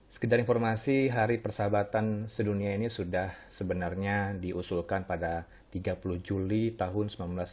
sekedar informasi hari persahabatan sedunia ini sudah sebenarnya diusulkan pada tiga puluh juli tahun seribu sembilan ratus sembilan puluh